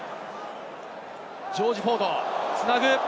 ジョージ・フォードがつなぐ。